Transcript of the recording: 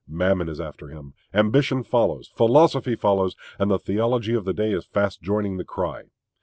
Mammon is after him, ambition follows, philosophy follows, and the theology of the day is fast joining the cry.